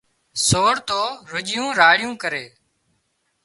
سور تو رُڄيون راڙيون ڪري